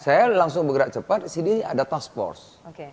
saya langsung bergerak cepat disini ada task force